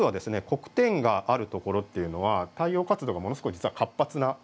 黒点があるところっていうのは太陽活動がものすごい実は活発なところなんですね。